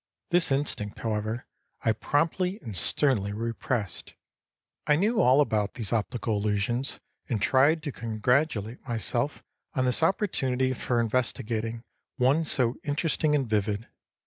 This instinct, however, I promptly and sternly repressed. I knew all about these optical illusions, and tried to congratulate myself on this opportunity for investigating one so interesting and vivid.